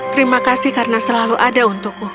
terima kasih karena selalu ada untukku